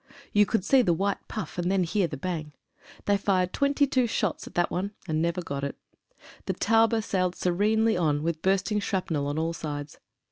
You would see the white puff, and then hear the bang. They fired twenty two shots at one, and never got it. The Taube sailed serenely on, with bursting shrapnel on all sides.